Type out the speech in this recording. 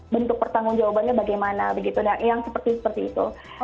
bentuk pertanggung jawabannya bagaimana yang seperti seperti itu